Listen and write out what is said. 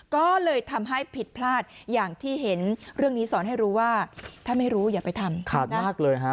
ก็เลยทำให้ผิดพลาดอย่างที่เห็นเรื่องนี้สอนให้รู้ว่าถ้าไม่รู้อย่าไปทำมากเลยฮะ